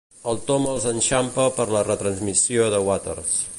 El Tom els enxampa per la retransmissió de Waters.